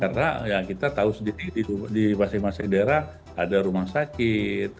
karena ya kita tahu di masing masing daerah ada rumah sakit